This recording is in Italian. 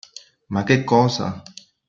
Ma che cosa?